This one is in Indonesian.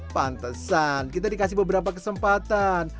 pantesan kita dikasih beberapa kesempatan